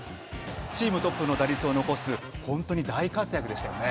チームトップの打率を残す本当に大活躍でしたよね。